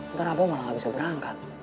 ntar abah malah gak bisa berangkat